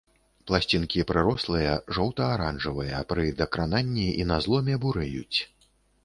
Пласцінкі прырослыя, жоўта-аранжавыя, пры дакрананні і на зломе бурэюць.